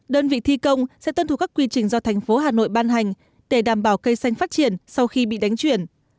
đơn vị thi công sẽ tân thủ các quy trình do tp hà nội ban hành để đảm bảo cây xanh phát triển sau khi bị đánh chuyển